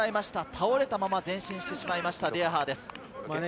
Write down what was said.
倒れたまま前進してしまいました、デヤハーです。